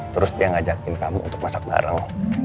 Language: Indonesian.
terus dia ngajakin kamu untuk masak bareng